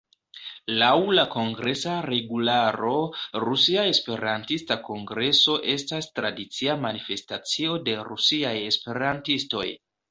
Laŭ la Kongresa regularo, "Rusia Esperantista Kongreso estas tradicia manifestacio de rusiaj esperantistoj.